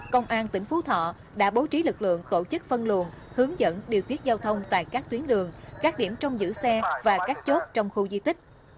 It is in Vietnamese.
công an tỉnh phú thọ đã bố trí lực lượng tổ chức phân luồn hướng dẫn điều tiết giao thông tại các tuyến đường các điểm trong giữ xe và các chốt trong khu di tích